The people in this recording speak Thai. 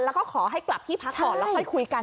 แล้วก็ขอให้กลับที่พักก่อนแล้วค่อยคุยกัน